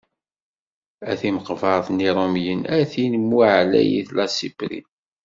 A timeqbert n yirumyen, a tin mu ɛlayit Lassipri.